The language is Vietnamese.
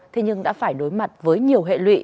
thế nhưng đã phải đối mặt với nhiều hệ lụy